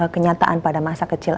kenyataan pada masa kecil